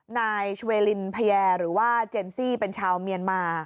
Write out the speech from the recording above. นายชเวลินพญาหรือว่าเจนซี่เป็นชาวเมียนมา